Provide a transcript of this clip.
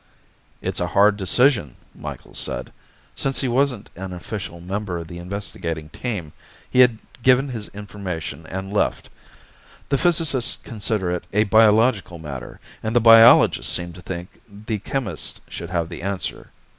"It's a hard decision," Micheals said. Since he wasn't an official member of the investigating team, he had given his information and left. "The physicists consider it a biological matter, and the biologists seem to think the chemists should have the answer.